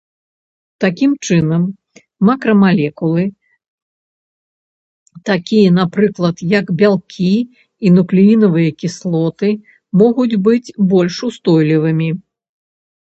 Такім чынам, макрамалекулы, такія, напрыклад, як бялкі і нуклеінавыя кіслоты, могуць быць больш устойлівымі.